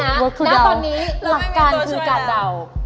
เราไม่มีตัวช่วยอ่ะณตอนนี้หลักการคือการเดา